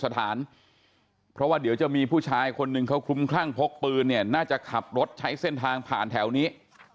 เธอคลุมครั่งพกปืนน่าจะขับรถใช้เส้นทางผ่านแถวนี้